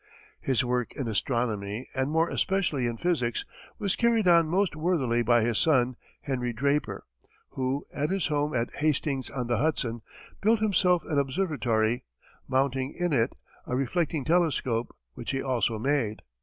His work in astronomy and more especially in physics was carried on most worthily by his son, Henry Draper, who, at his home at Hastings on the Hudson, built himself an observatory, mounting in it a reflecting telescope, which he also made.